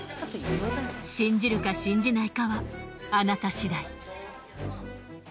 信じるか信じないかはあなたしだい。